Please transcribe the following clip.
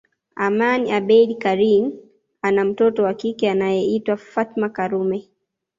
Aman abeid Karim ana mtoto wa kike anayeitwa Fatma Karume